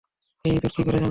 এই ইঁদুর কী করে জানো?